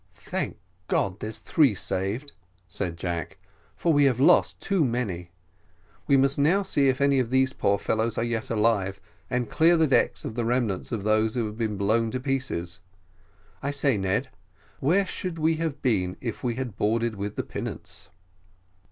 "Thank God, there's three saved!" said Jack, "for we have lost too many. We must now see if any of these poor fellows are yet alive, and clear the decks of the remnants of those who have been blown to pieces. I say, Ned, where should we have been if we had boarded with the pinnace?"